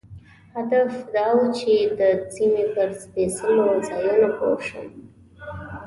هدف دا و چې د سیمې پر سپېڅلو ځایونو پوه شم.